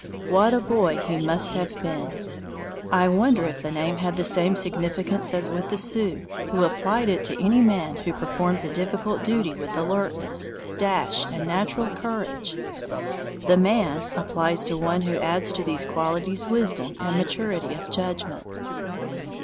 What a boy he must have been! I wonder if the name had the same significance as with the Sioux, who applied it to any man who performs a difficult duty with alertness, dash, and natural courage. "The Man" applies to one who adds to these qualities wisdom and maturity of judgment.